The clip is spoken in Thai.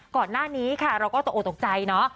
ก่อนหน้านี้ค่ะเราก็ตกออกตกใจเนอะ